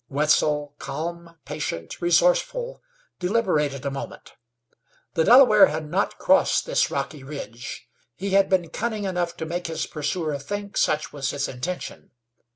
Wetzel, calm, patient, resourceful, deliberated a moment. The Delaware had not crossed this rocky ridge. He had been cunning enough to make his pursuer think such was his intention.